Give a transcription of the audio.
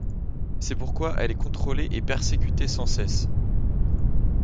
C'est pourquoi elle est contrôlée et persécutée sans cesse.